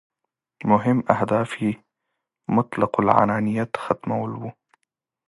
مهم اهداف یې مطلق العنانیت ختمول وو.